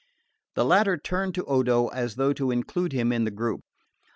The latter turned to Odo as though to include him in the group.